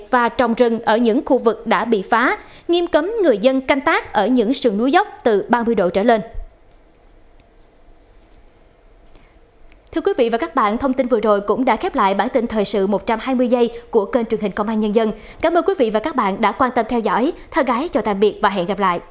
và trồng rừng ở những khu vực đã bị phá nghiêm cấm người dân canh tác ở những sườn núi dốc từ ba mươi độ trở lên